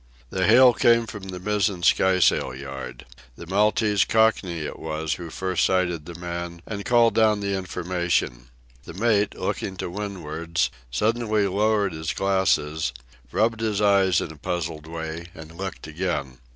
The hail came from the mizzen skysail yard. The Maltese Cockney it was who first sighted the man and called down the information. The mate, looking to windwards, suddenly lowered his glasses, rubbed his eyes in a puzzled way, and looked again.